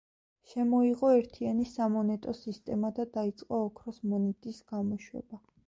შემოიღო ერთიანი სამონეტო სისტემა და დაიწყო ოქროს მონეტის გამოშვება.